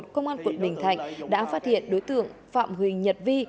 công an quận bình thạnh đã phát hiện đối tượng phạm huỳnh nhật vi